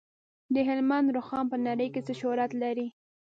د هلمند رخام په نړۍ کې څه شهرت لري؟